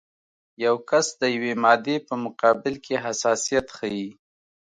یو کس د یوې مادې په مقابل کې حساسیت ښیي.